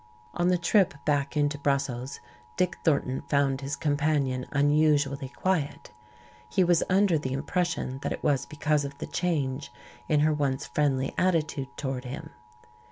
On the trip back into Brussels Dick Thornton found his companion unusually quiet. He was under the impression that it was because of the change in her once friendly attitude toward him.